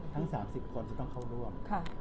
ทั้ง๓๐คนจะต้องเข้าร่วม